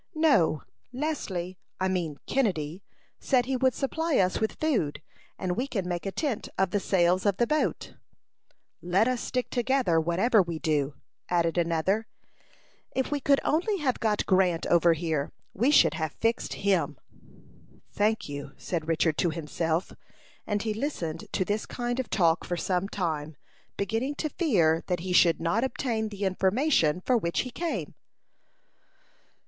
"No; Leslie I mean Kennedy said he would supply us with food; and we can make a tent of the sails of the boat." "Let us stick together, whatever we do," added another. "If we could only have got Grant over here, we should have fixed him." "Thank you," said Richard to himself; and he listened to this kind of talk for some time, beginning to fear that he should not obtain the information for which he came.